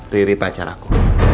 riri pacar aku